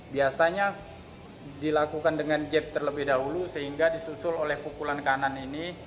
biasanya dilakukan dengan jep terlebih dahulu sehingga disusul oleh pukulan kanan ini